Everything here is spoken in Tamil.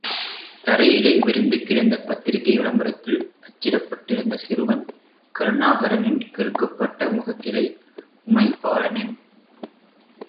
தரையிலே விரிந்து கிடந்த பத்திரிகை விளம்பரத்தில் அச்சிடப்பட்டிருந்த சிறுவன் கருணாகரனின் கிறுக்கப்பட்ட முகத்திலே, உமைபாலனின் கண்ணீர்த்துளிகள் சிதறிச் சிந்தின!...